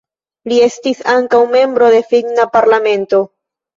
Li estis ankaŭ membro de Finna Parlamento.